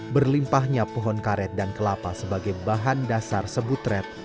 berlimpahnya pohon karet dan kelapa sebagai bahan dasar sebutret